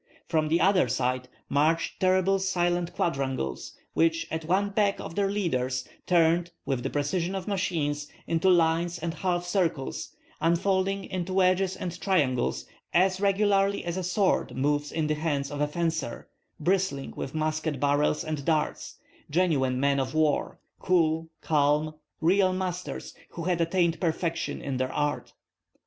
From the other side marched terrible, silent quadrangles, which at one beck of their leaders turned, with the precision of machines, into lines and half circles, unfolding into wedges and triangles as regularly as a sword moves in the hands of a fencer, bristling with musket barrels and darts: genuine men of war, cool, calm; real masters who had attained perfection in their art.